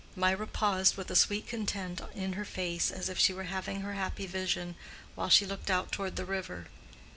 Mirah paused with a sweet content in her face, as if she were having her happy vision, while she looked out toward the river.